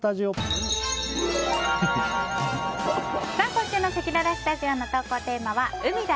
今週のせきららスタジオの投稿テーマは海だ！